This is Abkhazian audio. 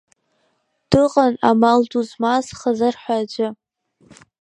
Дыҟан амал ду змаз Хазыр ҳәа аӡәы.